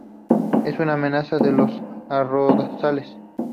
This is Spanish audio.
Es una maleza de los arrozales.